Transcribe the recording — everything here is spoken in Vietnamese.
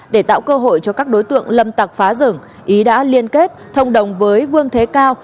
để tạo cơ hội cho các đối tượng lâm tặc phá rừng ý đã liên kết thông đồng với vương thế cao